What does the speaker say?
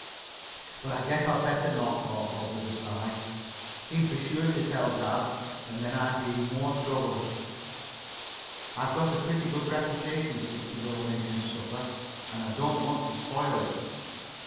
"But I guess I'd better not," thought Bob with a sigh. "He'd be sure to tell dad, and then I'd be in more trouble. I've got a pretty good reputation since the donation supper, and I don't want to spoil it."